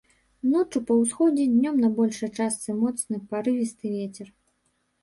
Ноччу па ўсходзе, днём на большай частцы моцны парывісты вецер.